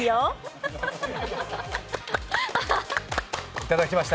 いただきました。